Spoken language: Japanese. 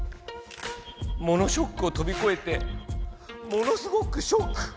モノショックをとびこえてモノすごくショック。